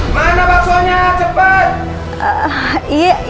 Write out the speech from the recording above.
mana baksonya cepet